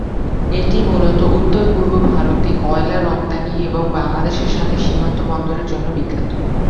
এটি মুলত উত্তর পূর্ব ভারতে কয়লা রপ্তানি এবং বাংলাদেশের সাথে সীমান্ত বন্দরের জন্য বিখ্যাত।